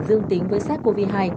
dương tính với sars cov hai